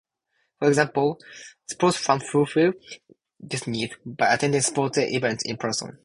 For example, sports fans fulfill this need by attending sporting events in person.